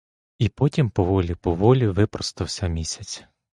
І потім поволі-поволі випростався місяць.